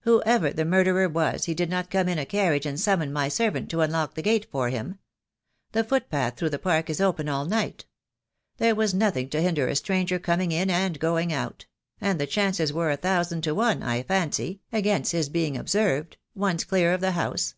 Whoever the murderer was he did not come in a carriage and summon my servant to unlock the gate for him. The footpath through the Park is open all night. There was nothing to hinder a stranger coming in and going out — and the chances were a thousand to one, I fancy, against his being ob THE DAY WILL COME. I2Q served — once clear of the house.